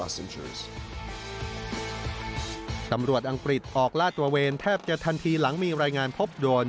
สำรวจอังกฤษออกล่าตัวเวรเทพจะทันที่หลังมีรายงานพบโดรน